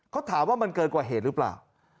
เขาถามว่ามันเกินกว่าเหตุหรือเปล่า